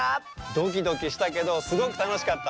ドキドキしたけどすごくたのしかった。